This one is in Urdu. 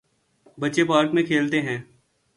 بچے پارک میں کھیلتے ہیں۔